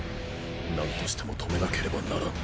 なんとしても止めなければならん。